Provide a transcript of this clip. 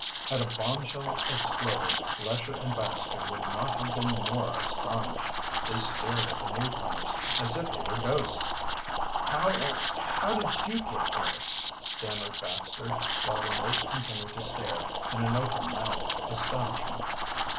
Had a bombshell exploded, Lesher and Baxter would not have been more astonished. Then stared at the newcomers as if they were ghosts. "How er how did you get here?" stammered Baxter, while the mate continued to stare, in open mouthed astonishment.